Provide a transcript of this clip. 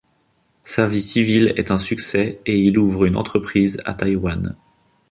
Sa vie civile est un succès et il ouvre une entreprise à Taïwan.